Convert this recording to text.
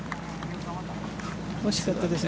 惜しかったですね。